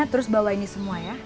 terus bawaini semua ya